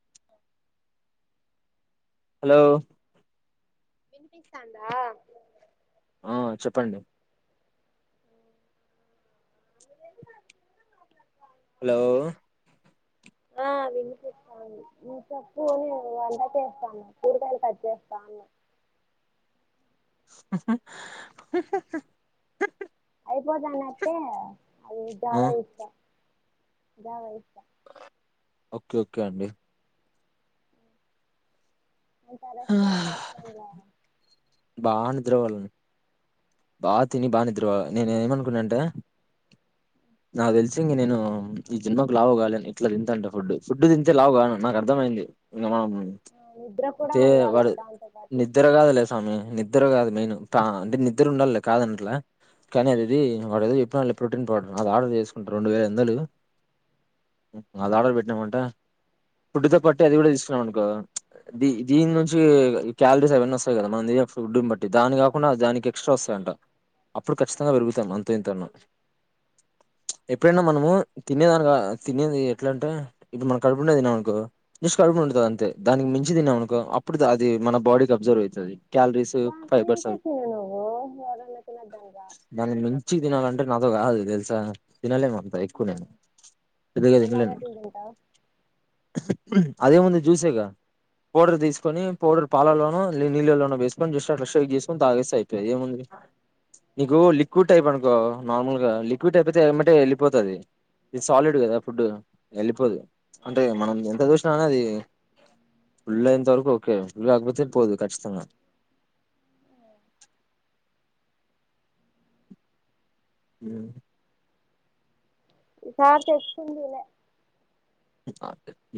[unintelligible] Hello వినిపితందా, ఆ చెప్పండి [unintelligible] నా ఏదీ ఆ వినిపిస్తా చెప్పు నేను వంట చేస్తా అను కూరగాయలు కట్ చేస్తా అన్నా, [unintelligible] అయిపోతానట్టే ఆ జగతీయి ఓకే ఓకే అండి అంత అరెస్ట్ గా అయిపొయిందా రా బాగా నిద్రపోవాలని బాగా తిని బాగా నిద్రపోాలి నేను ఏమనుకున్నా అంటే నాకు తెలిసి నేను ఈ జన్మకు లావు కావాల ఇట్లా తింతాంట ఫుడ్ ఫుడ్ తింటే లావు కామని నాకు అర్థమయింది ఇంక మనం ఆ నిద్ర కూడా తే ఉండాల దాంతోపాటు, నిదర కాదు మెయిన్ పా అంటే నిద్దర ఉండాలి కాదనట్లా కానీ అది, వాడు విప్పినడు లే ప్రోటీన్ పాౌడర్ అది ఆర్డర్ చేసుకుంట రెండు వేల ఐదు వందలు అది ఆర్డర్ పెట్టమంటే ఫుడ్తో పట్టి అది కూడా తీసుకున్నాం అనుకోదా దీ దీని నుంచి క్యాలరీస్ అవన్న వస్తా కదా మనం ఫుడ్ని బట్టి దాని కాకుండా దానికి ఎక్స్ట్రా వస్తాయంట అప్పుడు, ఖచ్చితంగా పెరుగుతాది అంతే ఇంతన్నాం, ఎప్పుడైనా మనము తినేదానికిక తినేది ఎట్లా అంటే ఇప్పుడు మనం కడుపు ఉండే తన్నామనుకో చూ కడుపు ఉంటుందింది, అంతే దానికి మించి తిన్నామనుకో అప్పుడు అది మన బాడీకి అబ్జర్వ్ అవుతుంది. చా దానికి మించి తినాలంటే [unintelligible] నాతో కాదు తెలుసా పిలవలే మరి అది ఎక్కువ నే ఇదె మళ్ళా క అదే అట్లా తింటావు అదేముంది జ్యూసేక పౌడర్ తీసుకొని పౌడర్ పాలల్లోనూ న నీళ్ళలో ఉన్న వేసుకొని ఫ్రెష్ చేసుకొని తాగేస్తే అయిపోయి ఏముంది నీకు లిక్విడ్ టైప్ అనుకో నార్మల్ గా లిక్విడ్ టైప్ అయితే ఏమంటే వెళ్ళిపోతుది ఇది సాలిడ్ కదా ఫుడ్అయితది. అంటే మనం ఎంత చూసినా కానీ, ఫళ్ళ ఇంత వరకు ఓకే ఫల్ ఆగపోతే పోదు కఖచ్చితంగా అ విసార తెచ్చకుందిలే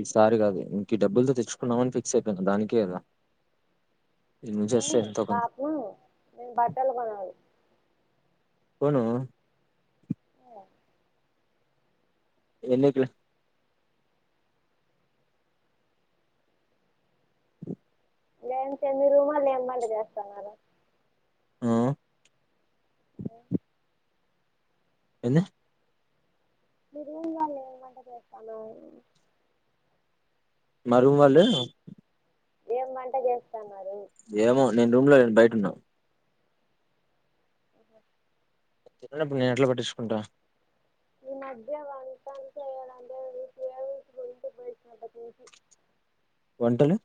ఈ సారి కాదదు ఇంక ఈ డబ్బులతో తెచ్చుకున్నామని ఫిక్స్ అయిపోయింది దానికే కదా ఇ నుంచి ఆ వస్తే ఎంతో కొంత పాపను నేను బట్టలు కొని కొను ఆఓ ఎన్నికులు లే చెమి రూమాలు లేమ్మంట చేస్తున్నారు ఉమ్ ఆఓ ఎన్న మీరుగు వాళ ఏమంట చేస్తాను మారు వా ఏం పంట చేస్తాను ఏమో నేను రూమ్ లో నను బయట ఉన్నాను అఓ తన్నన్నప్పుడు నేను ఎట్లా పట్టించుకుంటా ఈ మధ్య వయి పోనప్పటి నుంచి వంటలు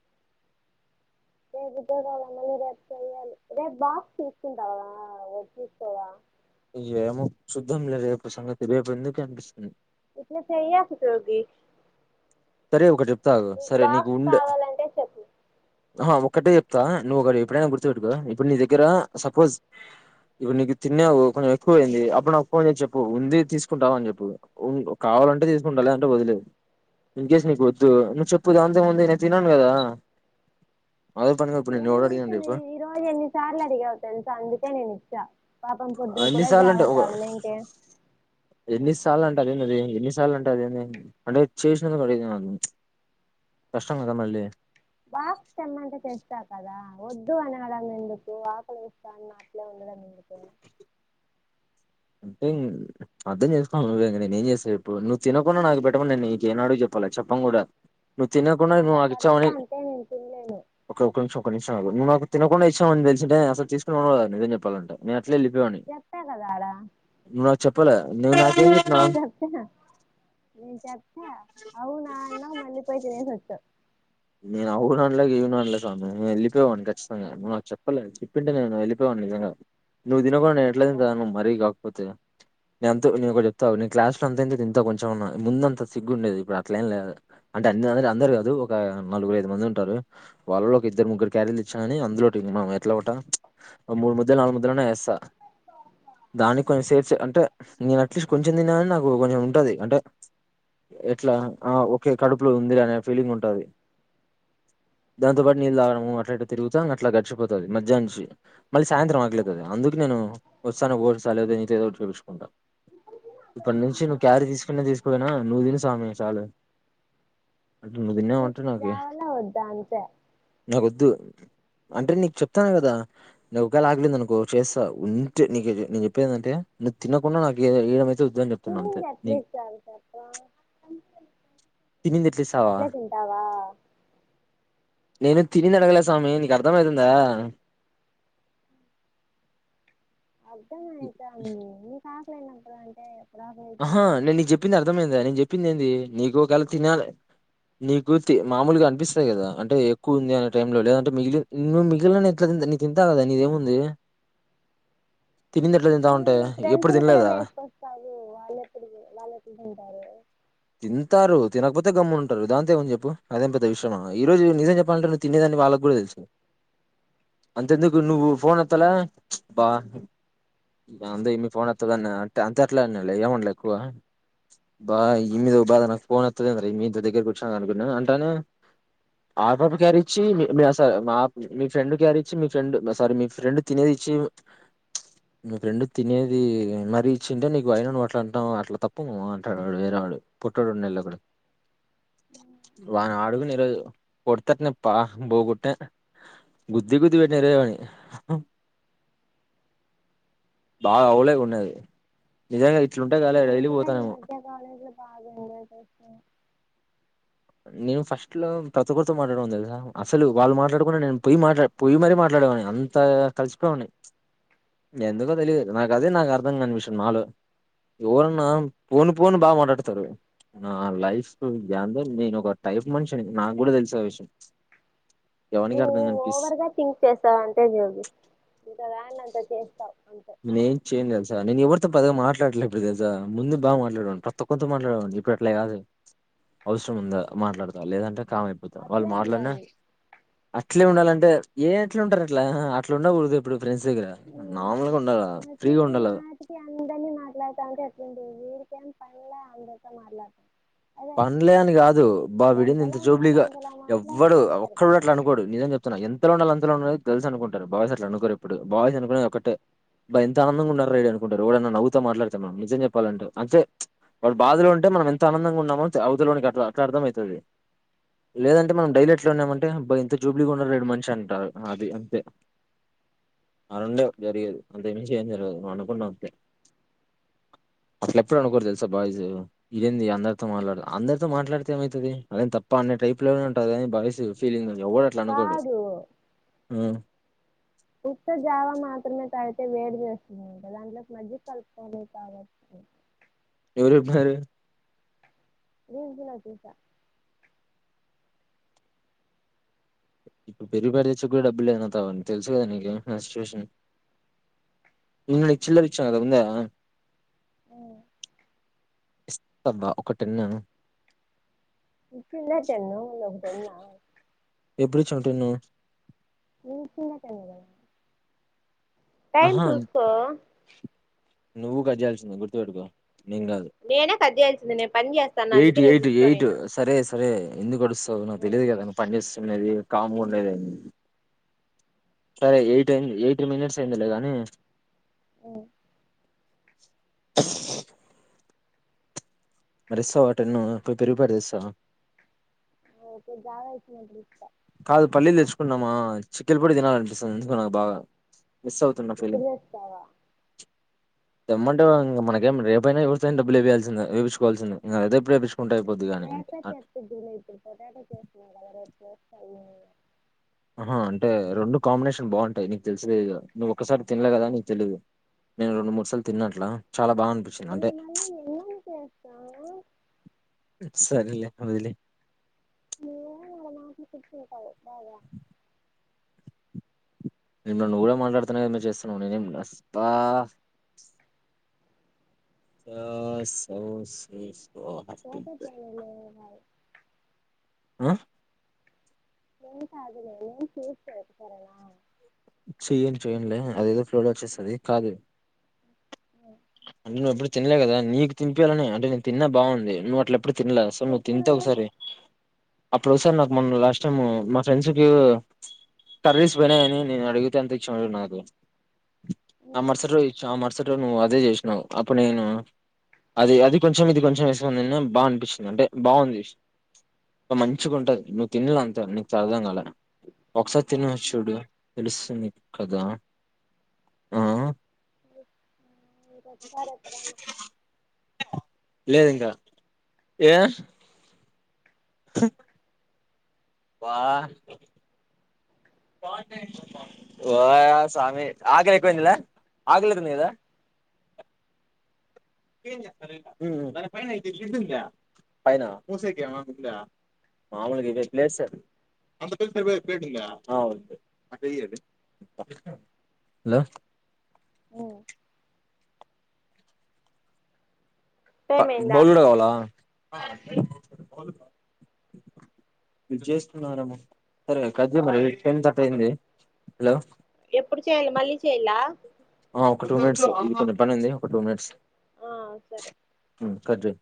రేపు ఉద్యోగాల మళ్ళీ రేపు చేయాలి రేపు బాక్స్ తీసుకుంటావా వచ్చేస్తవా ఏమో చూద్దాంలే రేపు సంగతి రేపు ఎందుకు అనిపిస్తుంది ఇట్ల చేయకు జోగీ సరే ఒకటి చెప్పు తాగు సరే నీకు ఉం కావాలంటే చెప్పు ఆ ఒక్కటే చెప్తా నువ్వు ఒకటి ఎప్పుడైనా గుర్తుపెట్టుకో ఇప్పుడు నీ దగ్గర సపోజ్ ఇప్పుడు నీకు తిన్నావు కొంచెం ఎక్కువ అయింది అప్పుడు నాకుఫోన్ చేసి చెప్పు ఉంది తీసుకుంటావ అని చెప్పు కావాలంటే తీసుకుంటా లేదంటే వదిలేయ్ ఇన్ కేస్ నీకు వద్దు నువ్వు చెప్పు దానిదేముంది నేను తినను గదా అదే పనిగా నిన్ను యెవడడిగిండు ఏమిటది చెప్పు నేనిచ్చ పాపం పొద్దున కూడా ఎన్నిసార్లు జావా అంటే ఒక తాగలేంక సార్లు అంటే అదే అది ఎన్నిసార్లు అంటే అదే అంటే చేసినందుకు అడి కష్టం గదా మళ్ళీ బాక్స్ తెమ్మంటే తెస్తాకదా వద్దు అనగడం ఎందుకు అకలి ఏస్తున్న అట్లే ఉన్నడం ఎందుకు అంటే అర్థం చేసుకోవాలి నువ్వే నేను ఏం చేస్తా చెప్పు నువ్వు తినకుండా నాకు పెట్టమని నేను నీకు ఏనాడు చెప్పలే చెప్పన్ గూడా నువ్వు తినకుండా నాకు నువ్వు అట్లా అడిగితే నాకిచ్చావని అంతే నేను తినలేను ఒక ఒక నిముషం ఒక నిముషం నాకు తినకుండా ఇచ్చినవని తెలిసుంటే అసలు తీసుకునే వాడిని కూడా కాదు నిజం జేప్పాలంటే చెప్పా కదా ఆడ నువ్వు నాకు చెప్పలే నేను నేను చెప్పా అవునా అన్నావ్ మళ్ళీ పోయి తినేసి వచ్చావ్ నేను అవును అనలే గివుననలే సామీ చెప్పేవాడిని ఖచ్చితంగా నువ్వు నాకు చెప్పలే చెప్పింటే నేను వెళ్లిపోయే వాడిని నిజంగా నువ్వు తినకుండా నేను ఎట్ల అబ్బా తింటాను మరీ గా ఓకే నేను ఒకటి చెప్తా అంతో నేను క్లాస్ లో అంత ఇంత తింటా కొంచెం మన్నా ముందంత సిగ్గు ఉండేది ఇప్పుడు అట్ల ఏం లేదు అంటే అ అందరు గాదు నలుగురు ఐదు మంది ఉంటారు వాళ్ళలో ఒక ఇద్దరు ముగ్గురు క్యారీలు ఇచ్చానని అందులో మనం ఎట్ల ఒకట మూడు ముద్దలు నాలుగు ముద్దలు ఎస్ స్త దానికి కొంచెం సేర్స్ అంటే నేను అట్లీస్ట్ కొంచెం తిన్నాగాని నాకు కొంచెం ఉంటది అంటే ఎట్లా ఓకే కడుపులో ఉంది అనే ఫీలింగ్ ఉంటది దాంతోపాటు నీళ్ళు తాగడము అట్లయిట్ల తిరుగుతా అట్లా గడిచిపోతది మధ్యాహ్నం నుంచి మళ్ళీ సాయంత్రం ఆకలేతది అందుకు నేను వస్తాను ఓట్స్ లేదా నీతో ఏదోటి చేపిచ్చుకుంటా ఇప్పటి నుంచి నువ్వు క్యారీ తీసుకునే తీసుకుపోయినా నువ్వు తినుసామీ చాలు అంటుంది నువ్వు తిన్నావా నీకు రావాలా వద్దా అంతే వద్దు అంటే నీకు చెప్తాను గదా ఒకవేళ ఆకలైంది అనుకో చేస్తా ఉంటే నీకు నేను చెప్పేందేందంటే నువ్వు తినకుండ నాకియడం అయితే వద్దు అని చెప్తున్నా అంతే తినింది ఎట్ల నీకు ఇస్తారు చెప్పు తినింది ఎట్లా ఇస్తావా అట్లీ తింటారు ఆ నేను ఏం తినింది అడగలే స్వామి నీకు అర్ధంమయితుందా అర్థంఅయితుంది నీ కా కలి అయినప్పడు అంటే ఎప్పుడు ఆహ ఆకలైతుందో నేను నీకు చెప్పంది అర్థం అయిందా నేను చెప్పి చెప్పింది ఏంది నీకు ఒకవేలా తినాలి నీకు తి మామూలుగా అనిపిస్తాయి కదా అంటే ఎక్కువ ఉంది అనే టైమ్ లో లేదంటే మిగిలి నువ్వు మిగిలింది ఎట్లా నీ తింతా కదా నీదేముంది తినిందిట్లే తింట నీ ఉంటా నీ ఎప్పుడు తినలేదా వాళ్ళ ఎప్పుడు వాళ్లేట్ల తింటారు తింటారు తినకపోతే గమ్ననా ఉంటారు దాంతే ఏమని చెప్పు అదేంపోద్ద విషయ ఈ రోజు నిజం చెప్పాలంటే ను తినేదని వాళ్ళకి కూడా తెలుసు అంతెందుకు నువ్వు ఫోన్ ఎత్తాల బా ఆరే యమ్మీ ఫోన్ ఎత్లా అంతే ఎలా ఏం అనలే ఎక్కువ బా మీద ఒక బాధ నాకు ఫోన్ యత్తదేందిర యమ్మీ దగ్గరకి వచ్చిన అనుకున్నాను అంటానే అ పాప క్యారీ ఇచ్చి స మా మీ ఫ్రెండ్ క్యారి ఇచ్చి మీ ఫ్రెండ్ సారీ మీ ఫ్రెండ్ తినేది ఇచ్చి మీ ఫ్రెండ్ తినేది మరీ ఇచ్చింటే నీకు అయిన నువ్వు అట్లా అంటావు అట్లా తప్పు మామ అంటాడు వేరే వాడు పొట్టొడు ఉన్నళ్ళక్కడు వాని ఆడుకునిరోజు కొడితేయట్నే బోగొట్న గుద్ది గుద్ది పెట్టిరోజ అని బాగా అయవలై గా యన్నది నిజంగా ఇట్లుంటే కాలే నేను డైలీ కూడ ఈ పోతానేమో మధ్య కాలేజ్ లో బాగా ఎంజాయ్ చేస్తున నేను ఫస్ట్ లో ప్రతికరితో మాట్లాడను తెసా అసలు వాళ్ళు మాట్లాడుకున్నా నేను పొయి మాట్లా పొయ్యి మరీ మాట్లాడేవాని అంత కలిసిపోవాని ఎందుకో తెలియదు నాకు అదే నాకు అర్థం కాని విషయం నాలో ఎవరన్నా పోను పోను బాగా మాట్లాడుత తారు నా లైఫ్ ఏందో నేను ఒక టైఫ మనిషినీ అని నాకు కూడా తెలిస విషయం ఎవనికి నువ్వు అర్థం కాని పీస్ ఓవర్ గా థింక్ చేస్తావు అంతే జోగి దాన్ని అంతా చేస్తావు అంతే నే ఏం చేయను తెలుసా నేను ఎవరితో పె పద్దగా మాట్లాడటలే ఇప్పుడు తెలుసా ముందు బాగా మాట్లాడను ప్రతి ఒక్కరితో మాట్లాడడి ఇప్పుడు అట్లే కాదు అవసరం ఉందా మాట్లాడతా లేదంటే కమైపోతా వాళ్ళు అట్లే మాట్లాడిన ఉండాలి అట్లే ఉండాలంటే ఏ ఎట్లా ఉంటారు అట్లా అట్లా ఉండకూడదు ఇప్పుడు ఫ్రెండ్స్ కాద ఆ ఉమ్ చిటికి మాటికి అందర్నీ మాట్లాతంటే ఎట్ల ఉంటది వీరి పల అందరితో మాట్లాడుత పన్లే అని కాదు బాబ విడింది ఇంత ఎంతలా ఉండాలో జూబ్లిగా అంతలా ఎవ్వడు మాట్లాడితే ఒక్కడు సరిపోతది అట్లా అనుకోడు నిజం చెప్తున్నా ఎంతలో ఉండాలి అంతలో ఉండాలి తెలుసు అనుకుంటారు బాయస్ అట్ అనుకోరు ఇప్పుడు బాయస్ అనుకుని ఒకటే బా ఎంత ఆనందంగా ఉన్నన్నారు రడడి అనుకుంటారు ఎడైన్నా నవ్వుతో మాట్లాడతే మనం నిజం చెప్పాలంటే అంతే వాళ బాధలో ఉంటే మనం ఎంత ఆనంగా ఉన్నా అవతలోనికి అ అట్లా అర్థం అవుతుంది లేదంటే మనం డైలీ ఎట్లా ఉన్నామంటే అబ్బా ఎంత జూబ్లీగా ఉండ వీడు మనిషి అంటారు అది అంతే అ రండే జరిగదు అంతే అంతకు మించి ఏమి జరగదు నువు అనుకుండా వంతే అట్ల ఎప్పుడు అనుకోరుదు తెలుసా బాయ్స్ ఇదమ్ది అంద మాట్లా అందరితో మాట్లాడితే ఏమవుతుంది అద తప్ప అన్ని టైప్ లో ఉంటుది అని బాయ్స్ ఫీలింగ్ ఎవడు అట్లా అనుకోడు కాదు ఉమ్ ఉత్త జావా మాత్రమే తాగితే వేడి చేస్తుందమా దాంట్లోకి మజ్జిగ కలుపుకొని తగవచ్చు ఎవరు చెప్పినారు రీల్స్ లో చూసా ఇప్పుడు పెరిగు పాకెట్ తెచ్చుకో డబ్బులు లేదు నాతన తెలుసు కదా నీకే నా సిచ్యువేషన్ నిన్న నీకు చిల్లర ఇచ్చిన కదా ఉందా ఆ అ ఇస్తవా ఒక టెన్ ఈచిన్ల టెను ఇంకో టెన్ ఆ ఎప్పుడూ ఇచ్చినావు టెన్ ను నిన్న ఇచ్చిన్ల టెన్ టైం ఆహా చూసుకో నువ్వు కజాల్సింద గుర్తుపెటుకో నేనే కద్ద అల్సిింది నేను పని చేస్తాను అందుకే ఎయిట్ నను ఎయిట్ ఎయిట్ చూసుకోనిన్న సరే సరే ఎందుకు గడుస్త స నాకు తెలిదు కదా నువ్వు పని చేస్తే ది కామ ఉది అయి సరే ఎయి ఎయిటీ మినిట్స్ అయిందిలే గానీ అఓ మరిస్తావా టెన్ టూ పెరుగు ప్యాకెట్ తెస్తా ఓక జగా ఇచ్చ మంట ఇ కాదు పల్లీలు తెచ్చుకున్నామా చికెన్ పొడి తినాలి అనిపిస్తుంది ఎందుకో నాకు బాగా మిస్ ఇప్పుడు తెస్తావా తెమంటే ఇం మనకేం రేపైనాతే బ్బులుేయాల్సిందందిేపించుకోవాసింది ఇక అదే ఇప్పుడు ఏపిచ్చుకుంటే అయిపోద్ది [unintelligible] గాని అంతే ఓ ఆహా అంటే రెండు కాంబినేషన్ బాగుంటాయి నీకు తెలిస నువ్వు ఒకక్కసారి తినలే కదా నీకు తెలీదు నేను రెండు మూడు సార్లు తిన్నట్లా ఇప్పు నే మళ్ళీ ఎమం చేస్తా సరేలే వదిలేయి నువ్వేమో [unintelligible] నేను నన్ను కూడా మాట్లాడుతున్నాదరు చేస్తున్నావు నేను ఏమి బా పోతే పోనీలే [unintelligible] ఆ ఎం కాదులే మే చేస్తే వెటకారమా చేయొచ్చు ఎంలే అదేదో ఫ్లోలో వచ్చేస్తది కాదు అ అంటే నువ్వు ఎప్పుడు తినలేదు కదా నీకు తినిపియ్యాలనే అంటే నేను తిన్నా బాగుంది నువ్వు అట్లా ఇప్పుడు తిలే అసల్ నువ్వు ఎప్పుడు తింటే ఒకసారి అప్పుడుసార్ నాకు మొన్న లాస్ట్ టైమ్ మా ఫ్రెండ్స్కి కర్రీస్ పెనాయని నేను అడిగితే అంత ఇచ్చినవ్ చూడు నాకు ఆ మరుసటి రోజు ఇచ్చు అమర్సర్ చెట్ల మీద అదే చేసి వు అప్పుడు నేను అది అది కొంచెం ఇది కొంచెం వేసుకుని నిన్న బాగా అనిపిస్తుంది అంటే బాగుంది మంచిగా ఉంటుంది నువ్వు తిని చూడు అంత నీకు అర్ధం కాలే ఒకసారి తినేసి చూడు తెలుస్తుంది ని కదా ఆ మీకు [unintelligible] ఎక్కడన్నా లేదు ఇంకా ఏ చె వా వా స్వామి ఆగలే ఎక్కువేదిలే ఆగలేతుంది కదా హలో మ్మ్ బా టైం అయిందా బౌలుడు కావాలా మిస్ చేస్తున్నారేమో సరే కట్ చేయి మరి టెన్ థర్ట్ అయింది హలో ఎప్పుడు చెయాలి మళ్ళీ చెయాల ఆ ఒక టూ మినిట్స్ ఎందుకంటే పని ఉంది ఒక టూ మినిట్స్ ఆ సరే మ్మ్ కట్ చేయి